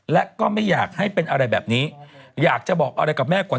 และก็ไม่อยากให้เป็นอะไรแบบนี้อยากจะบอกอะไรกับแม่ก่อน